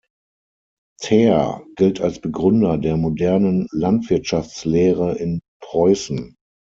Thaer gilt als Begründer der modernen Landwirtschaftslehre in Preußen.